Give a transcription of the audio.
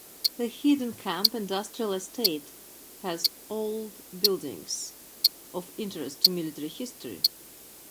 The Headon Camp Industrial Estate has old buildings of interest to military history.